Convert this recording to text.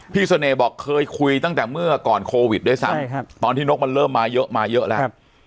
เสน่ห์บอกเคยคุยตั้งแต่เมื่อก่อนโควิดด้วยซ้ำตอนที่นกมันเริ่มมาเยอะมาเยอะแล้ว